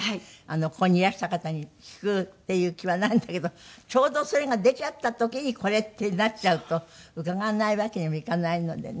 ここにいらした方に聞くっていう気はないんだけどちょうどそれが出ちゃった時にこれってなっちゃうと伺わないわけにもいかないのでね。